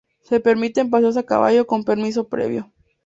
Se permiten paseos a caballo con permiso previo.